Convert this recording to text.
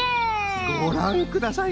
ごらんください